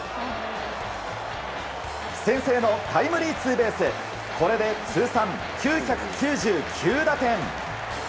先制のタイムリーツーベースでこれで通算９９９打点！